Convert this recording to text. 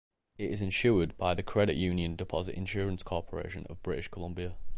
It is insured by the Credit Union Deposit Insurance Corporation of British Columbia.